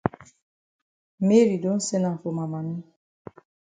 Mary don send am for ma mami.